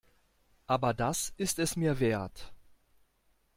Aber das ist es mir wert.